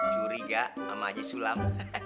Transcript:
curiga sama haji sulam